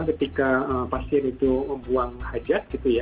ketika pasien itu membuang hajat gitu ya